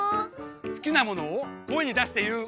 すきなものをこえにだしていう。